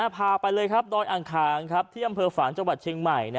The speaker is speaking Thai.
พาไปเลยครับดอยอ่างคางที่อำเภอฝางจังหวัดเชียงใหม่